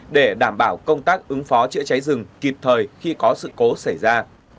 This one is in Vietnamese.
để đảm bảo công tác ứng phó chữa cháy rừng kịp thời khi có sự cố xảy ra